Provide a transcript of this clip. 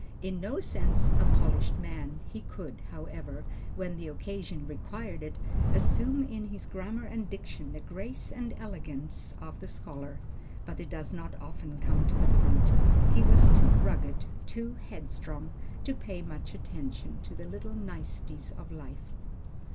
In no sense a polished man, he could, however, when the occasion required it, assume in his grammar and diction the grace and elegance of the scholar, but it does not often come to the front. He was too rugged, too headstrong, to pay much attention to the little niceties of life.